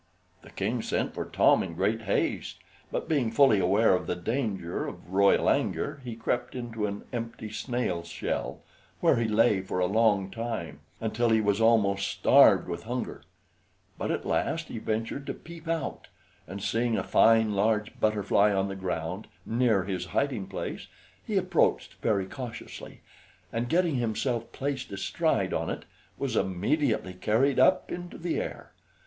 The King sent for Tom in great haste, but being fully aware of the danger of royal anger, he crept into an empty snail shell, where he lay for a long time, until he was almost starved with hunger; but at last he ventured to peep out, and seeing a fine large butterfly on the ground, near his hiding place, he approached very cautiously, and getting himself placed astride on it, was immediately carried up into the air.